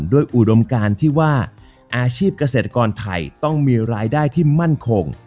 อุดมการที่ว่าอาชีพเกษตรกรไทยต้องมีรายได้ที่มั่นคง